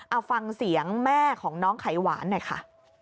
เอาฟังเสียงแม่ของน้องไขหวานหน่อยค่ะ